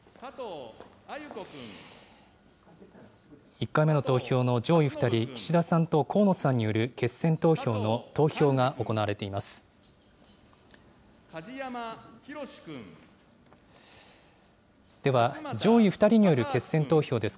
１回目の投票の上位２人、岸田さんと河野さんによる決選投票の投票が行われています。